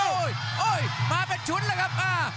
โอ้โหมาเป็นชุดเลยครับ